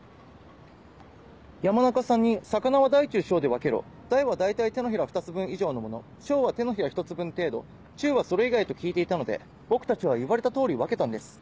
山中さんに「魚は大中小で分けろ大は大体手のひら２つ分以上のもの小は手のひら１つ分程度中はそれ以外」と聞いていたので僕たちは言われた通り分けたんです。